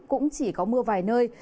cũng chỉ có mưa vài nơi